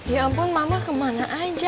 ya ampun mama kemana aja